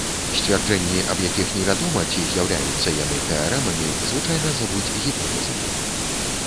Сцвярджэнні, аб якіх невядома, ці з'яўляюцца яны тэарэмамі, звычайна завуць гіпотэзамі.